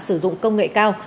sử dụng công nghệ cao